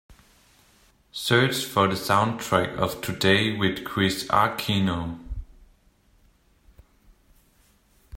Search for the soundtrack of Today with Kris Aquino